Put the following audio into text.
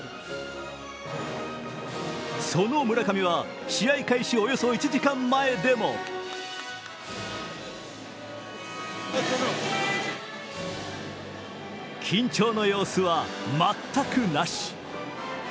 その村上は試合開始およそ１時間前でも緊張の様子は全くなし。